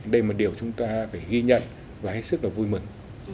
đây là một điều chúng ta phải ghi nhận và hết sức là vui mừng